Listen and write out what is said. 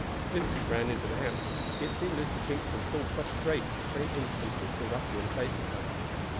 Vincent ran into the house. He had seen Lucy Kingston fall prostrate at the same instant as the ruffian facing her.